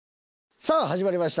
さあ始まりました。